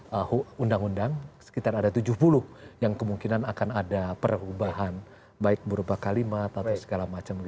ada undang undang sekitar ada tujuh puluh yang kemungkinan akan ada perubahan baik berubah kalimat atau segala macam